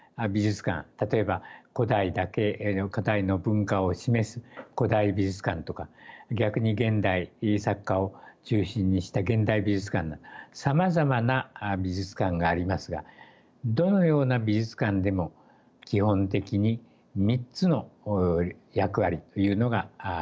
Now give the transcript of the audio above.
例えば古代の文化を示す古代美術館とか逆に現代作家を中心にした現代美術館などさまざまな美術館がありますがどのような美術館でも基本的に３つの役割というのがあります。